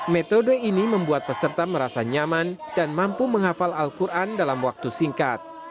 metode ini membuat peserta merasa nyaman dan mampu menghafal al quran dalam waktu singkat